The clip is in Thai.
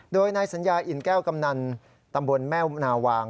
โดยนายสัญญาอิ่นแก้วกำนันตำบลแม่นาวาง